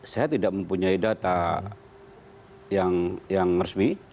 saya tidak mempunyai data yang resmi